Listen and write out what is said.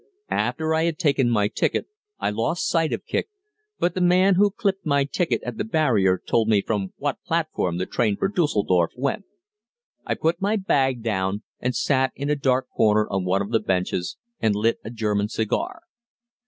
After I had taken my ticket I lost sight of Kicq, but the man who clipped my ticket at the barrier told me from what platform the train for Düsseldorf went. I put my bag down and sat in a dark corner on one of the benches and lit a German cigar.